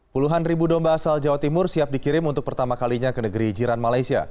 puluhan ribu domba asal jawa timur siap dikirim untuk pertama kalinya ke negeri jiran malaysia